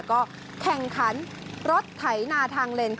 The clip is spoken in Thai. ก็แข่งขันรถไถนาทางเลนครั้งที่สองนะคะ